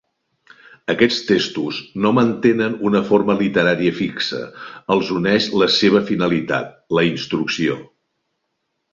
Aquests textos no mantenen una forma literària fixa, els uneix la seva finalitat: la instrucció.